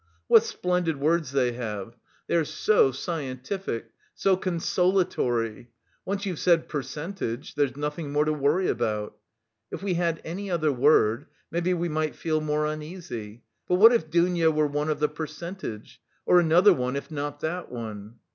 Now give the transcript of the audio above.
What splendid words they have; they are so scientific, so consolatory.... Once you've said 'percentage' there's nothing more to worry about. If we had any other word... maybe we might feel more uneasy.... But what if Dounia were one of the percentage! Of another one if not that one?